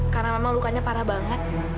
karena memang lukanya parah banget